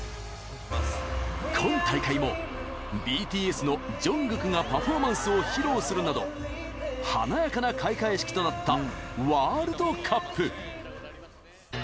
今大会もＢＴＳのジョングクがパフォーマンスを披露するなど華やかな開会式となったワールドカップ。